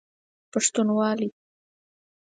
پښتونوالی